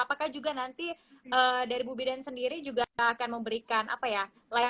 apakah juga nanti dari bu bidan sendiri juga akan memberikan apa ya